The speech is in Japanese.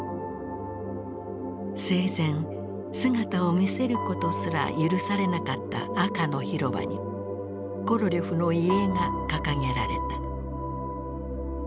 生前姿を見せることすら許されなかった赤の広場にコロリョフの遺影が掲げられた。